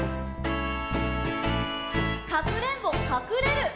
「かくれんぼかくれる」